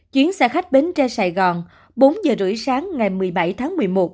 chuyến xe khách bến tre sài gòn bốn giờ rưỡi sáng ngày một mươi bảy tháng một mươi một